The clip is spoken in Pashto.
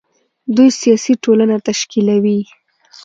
دوی سیاسي ټولنه تشکیلوي.